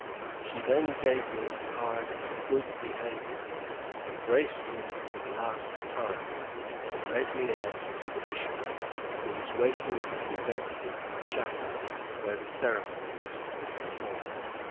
She then gave me a card of good behavior, embraced me for the last time, and led me out to the Bishop, who was waiting to conduct me to the chapel where the ceremony was to be performed.